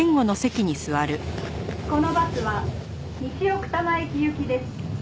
「このバスは西奥多摩駅行きです」